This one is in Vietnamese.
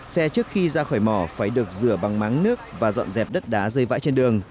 xe trước khi ra khỏi mỏ phải được rửa bằng máng nước và dọn dẹp đất đá rơi vãi trên đường